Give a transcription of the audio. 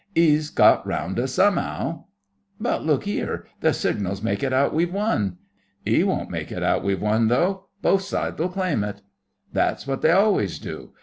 'E's got round us some'ow.' 'But look 'ere. The signals make it out we've won.' ''E won't make it out we've won, though. Both sides'll claim it.' 'That's what they always do.